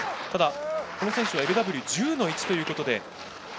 ただ、この選手はＬＷ１０−１ということで。